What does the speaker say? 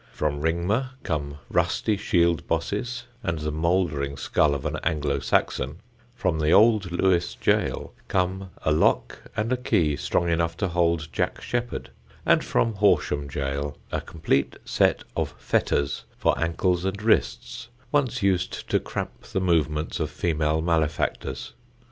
From Ringmer come rusty shield bosses and the mouldering skull of an Anglo Saxon; from the old Lewes gaol come a lock and a key strong enough to hold Jack Sheppard; and from Horsham Gaol a complete set of fetters for ankles and wrists, once used to cramp the movements of female malefactors.